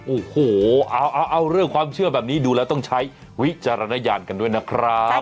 โอ้โหเอาเรื่องความเชื่อแบบนี้ดูแล้วต้องใช้วิจารณญาณกันด้วยนะครับ